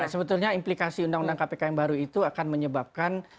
sebetulnya implikasi undang undang kpk yang baru itu akan menyebabkan